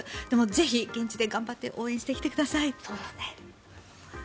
ぜひ、現地で頑張って応援してきてください。